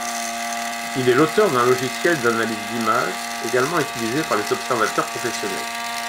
Il est l'auteur d'un logiciel d'analyse d'images également utilisé par les observateurs professionnels.